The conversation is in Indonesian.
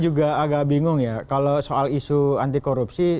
juga agak bingung ya kalau soal isu anti korupsi